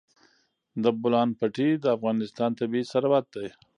د بولان پټي د افغانستان طبعي ثروت دی.